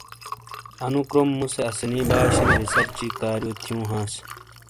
انو کروم مُوسے اسانی باشینی ریسرچی کاریو تھیوں ہانس۔